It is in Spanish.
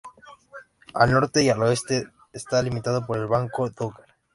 Al norte y al oeste está limitado por el banco Dogger.